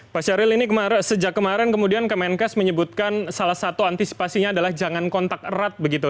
pak syahril ini sejak kemarin kemudian kemenkes menyebutkan salah satu antisipasinya adalah jangan kontak erat begitu